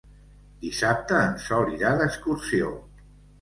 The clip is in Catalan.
Dissabte en Sol irà d'excursió.